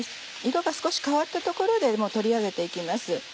色が少し変わったところで取り上げて行きます。